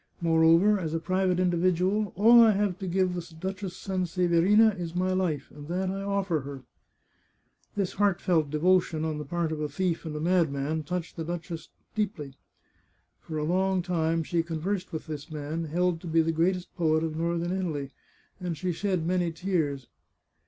Moreover, as a private individual, all I have to give the Duchess Sanseverina is my life, and that I offer her," This heartfelt devotion on the part of a thief and a mad man touched the duchess deeply. For a long time she con versed with this man, held to be the greatest poet of northern Italy, and she shed many tears.